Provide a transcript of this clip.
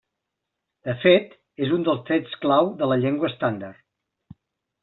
De fet, és un dels trets clau de la llengua estàndard.